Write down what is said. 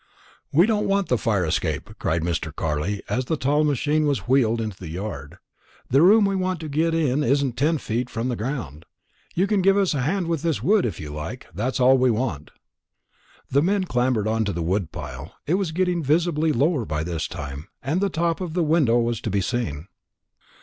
"We don't want the fire escape," cried Mr. Carley as the tall machine was wheeled into the yard. "The room we want to get at isn't ten feet from the ground. You can give us a hand with this wood if you like. That's all we want." The men clambered on to the wood pile. It was getting visibly lower by this time, and the top of the window was to be seen.